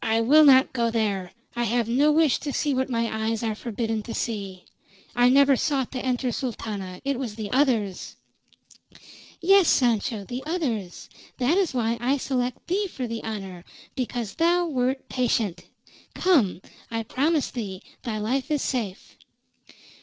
"I will not go there! I have no wish to see what my eyes are forbidden to see. I never sought to enter, Sultana. It was the others!" "Yes, Sancho, the others. That is why I select thee for the honor, because thou wert patient. Come. I promise thee thy life is safe."